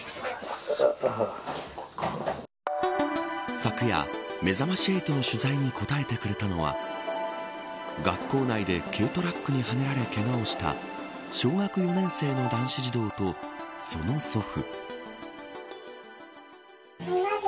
昨夜、めざまし８の取材に答えてくれたのは学校内で軽トラックにはねられ、けがをした小学４年生の男子児童とその祖父。